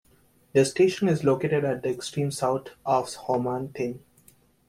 The station is located at the extreme south of Ho Man Tin.